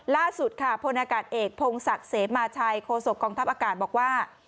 ล่าสุดค่ะพลอากาศเอกพงศักดิ์เสมาชัยโคศกองทัพอากาศบอกว่า